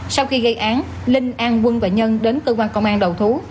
sau khi gây án linh an quân và nhân đến cơ quan công an đầu thú